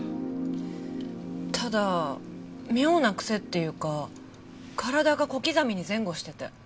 ただ妙な癖っていうか体が小刻みに前後してて。